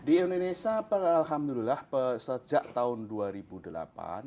di indonesia alhamdulillah sejak tahun dua ribu delapan